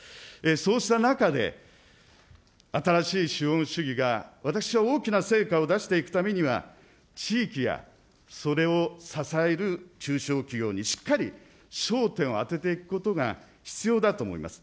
そうした中で、新しい資本主義が私は大きな成果を出していくためには、地域や、それを支える中小企業にしっかり焦点を当てていくことが必要だと思います。